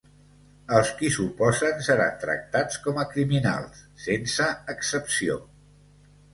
Els qui s'hi oposen seran tractats com a criminals, sense excepció.